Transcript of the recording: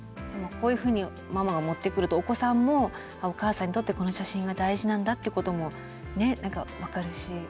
でもこういうふうにママが持ってくるとお子さんもお母さんにとってこの写真が大事なんだってことも何か分かるし。